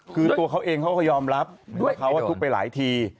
คือตัวเขาเองเขาก็ยอมรับว่าเขาทุบไปหลายที